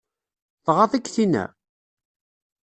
Tɣaḍ-ik tinna?